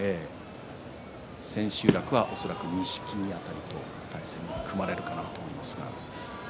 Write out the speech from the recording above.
千秋楽は恐らく錦木辺りと対戦が組まれるかなと思います。